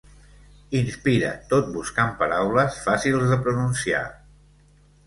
Inspira, tot buscant paraules fàcils de pronunciar.